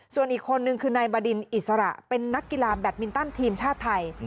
ส่วนอีกคนนึงคือนายบดินอิสระเป็นนักกีฬาแบตมินตันทีมชาติไทย